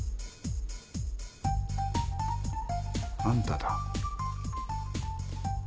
あんただ。